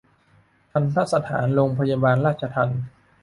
ทัณฑสถานโรงพยาบาลราชทัณฑ์